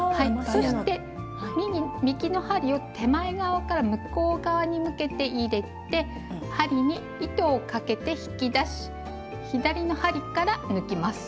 そして右の針を手前側から向こう側に向けて入れて針に糸をかけて引き出し左の針から抜きます。